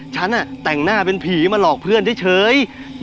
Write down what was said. ฉันแต่งหน้าเป็นผีมาหลอกเพื่อนเฉย